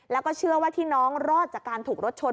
แล้วก็เชื่อว่าที่น้องรอดจากการถูกรถชน